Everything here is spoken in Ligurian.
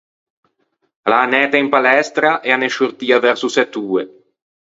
A l’é anæta in palestra e a n’é sciortia verso sett’oe.